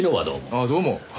ああどうも。